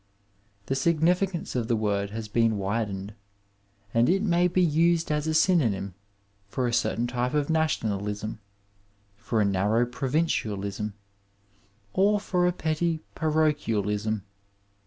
The significance of the word has been widened, and it may be used as a synonym for a certain type of nationalism, for a narrow provincialism, or for a petty parochialism.